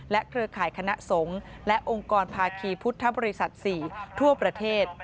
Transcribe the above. เครือข่ายคณะสงฆ์และองค์กรภาคีพุทธบริษัท๔ทั่วประเทศ